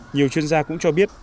nhiều chuyên gia cũng cho biết